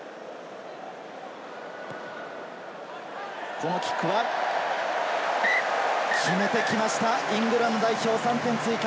このキックは、決めてきました、イングランド代表、３点追加。